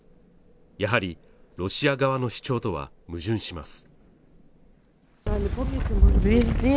やはりロシア側の主張とは矛盾します